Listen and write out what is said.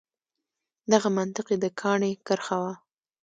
دغه منطق یې د کاڼي کرښه وه.